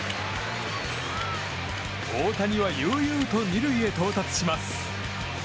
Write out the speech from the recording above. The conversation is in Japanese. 大谷は悠々と２塁へ到達します。